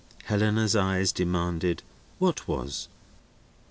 Helena's eyes demanded what was.